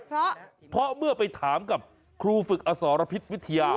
เพราะเมื่อไปถามกับครูฝึกอสรพิษวิทยา